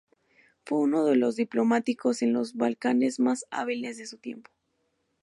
Fue uno de los diplomáticos en los Balcanes más hábiles de su tiempo.